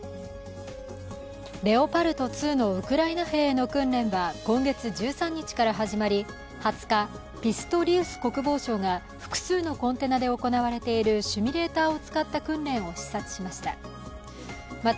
レオパルト２のウクライナ兵への訓練は今月１３日から始まり、２０日、ピストリウス国防相が複数のコンテナで行われているシミュレーターを使った訓練を視察しました。